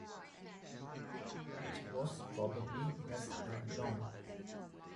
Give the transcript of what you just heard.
It was probably less than long.